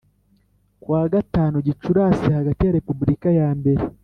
ku wa gatanu Gicurasi hagati ya Repubulika yambere